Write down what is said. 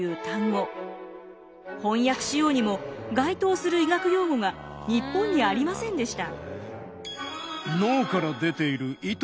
翻訳しようにも該当する医学用語が日本にありませんでした。